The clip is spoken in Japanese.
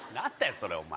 それお前。